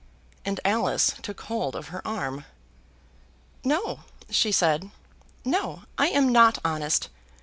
And Alice took hold of her arm. "No," she said, "no; I am not honest.